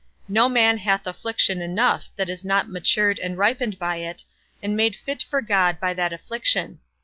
No man hath affliction enough that is not matured and ripened by it, and made fit for God by that affliction.